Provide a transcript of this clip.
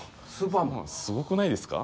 すごくないですか？